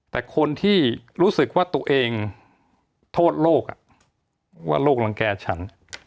แต่คนที่รู้สึกว่าตัวเองโทษโลกว่าโลกรังแก่ฉัน